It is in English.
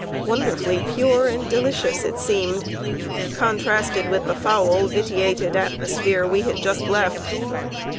Wonderfully pure and delicious it seemed, contrasted with the foul, vitiated atmosphere we had just left!